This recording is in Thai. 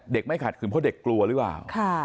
ไม่ขัดขืนเพราะเด็กกลัวหรือเปล่า